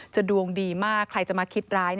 ดวงดีมากใครจะมาคิดร้าย